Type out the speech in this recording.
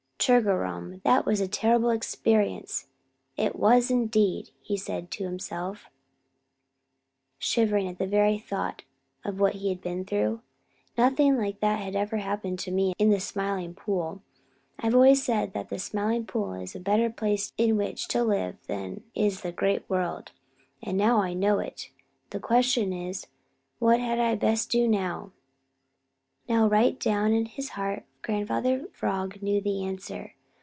"Chugarum, that was a terrible experience; it was, indeed!" said he to himself, shivering at the very thought of what he had been through. "Nothing like that ever happened to me in the Smiling Pool. I've always said that the Smiling Pool is a better place in which to live than is the Great World, and now I know it. The question is, what had I best do now?" Now right down in his heart Grandfather Frog knew the answer.